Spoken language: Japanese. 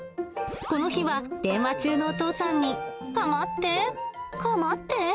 この日は電話中のお父さんにかまって、かまって。